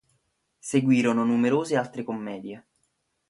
Seguirono numerose altre commedie.